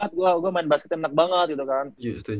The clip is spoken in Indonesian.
dapet banget gue main basket enak banget gitu kan